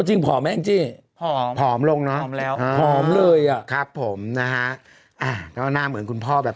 คุณจุ๋ยนะก็เปิดภาพคุณพ่อไปดีนะครับ